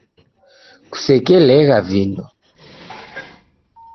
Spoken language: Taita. Kusekelegha vindo.